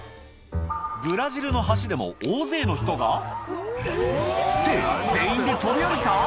ブラジルの橋でも大勢の人がって全員で飛び降りた？